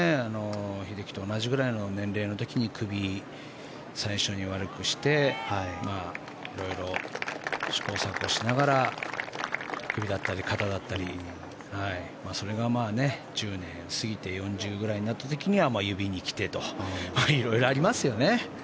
英樹と同じくらいの年齢の時に首を最初に悪くして色々、試行錯誤しながら首だったり肩だったりそれが１０年過ぎて４０ぐらいになった時には指に来てと色々ありますよね。